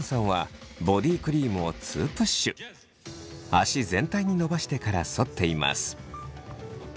脚全体にのばしてからそっています。